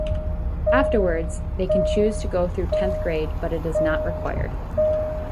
Afterwards they can choose to go through tenth grade but it is not required.